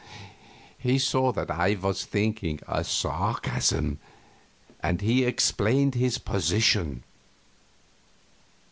He saw that I was thinking a sarcasm, and he explained his position.